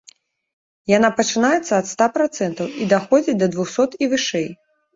Яна пачынаецца ад ста працэнтаў і даходзіць да двухсот і вышэй.